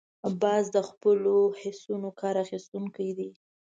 باز د خپلو حسونو کار اخیستونکی دی